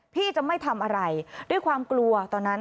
พี่จะไม่ทำอะไรด้วยความกลัวตอนนั้น